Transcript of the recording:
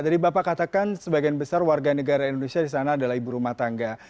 jadi bapak katakan sebagian besar warga negara indonesia di sana adalah ibu rumah tangga